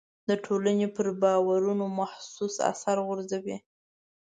د ټولنې پر باورونو محسوس اثر غورځوي.